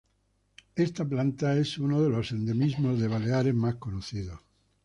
Esta planta es uno de los endemismos de Baleares más conocidos.